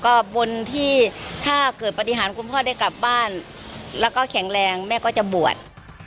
ก็บนที่ถ้าเกิดปฏิหารคุณพ่อได้กลับบ้านแล้วก็แข็งแรงแม่ก็จะบวช